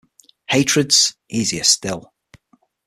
Hatreds, easier still.